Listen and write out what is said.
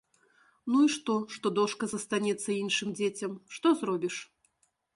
Ну і што, што дошка застанецца іншым дзецям, што зробіш?